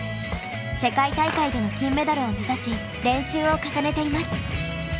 世界大会での金メダルを目指し練習を重ねています。